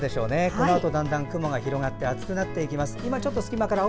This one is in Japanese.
このあとだんだん雲が広がって暑くなっていきます。